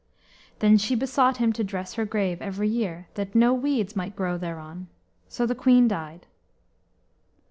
Then she besought him to dress her grave every year, that no weeds might grow thereon. So the queen died.